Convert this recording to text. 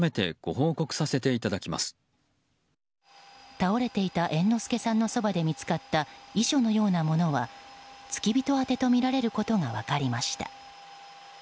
倒れていた猿之助さんのそばで見つかった遺書のようなものは付き人宛てとみられることが分かりました。